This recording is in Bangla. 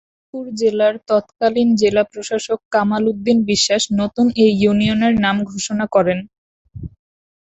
মাদারীপুর জেলার তৎকালীন জেলা প্রশাসক কামাল উদ্দিন বিশ্বাস নতুন এ ইউনিয়নের নাম ঘোষণা করেন।